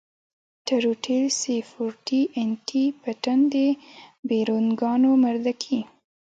ټروټيل سي فور ټي ان ټي پټن د بېرنگانو مردکي.